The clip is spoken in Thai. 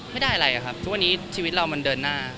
ไม่ได้อะไรครับทุกวันนี้ชีวิตเรามันเดินหน้า